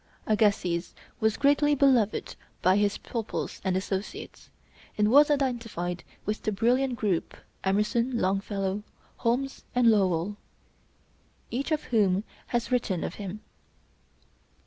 Agassiz was greatly beloved by his pupils and associates, and was identified with the brilliant group Emerson, Longfellow, Holmes, and Lowell, each of whom has written of him.